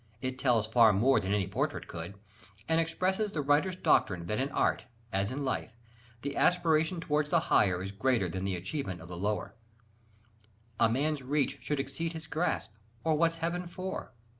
It tells far more than any portrait could: and expresses the writer's doctrine that in art, as in life, the aspiration toward the higher is greater than the achievement of the lower: "A man's reach should exceed his grasp, or what's heaven for?"